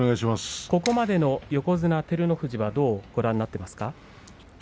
ここまでの横綱照ノ富士はどうご覧になっていますか。